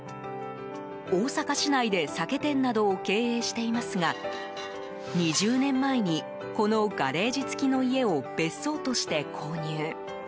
大阪市内で酒店などを経営していますが２０年前にこのガレージ付きの家を別荘として購入。